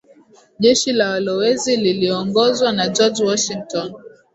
Jeshi la walowezi lililoongozwa na George Washington